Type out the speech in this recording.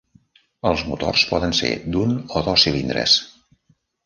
Els motors poden ser d'un o dos cilindres.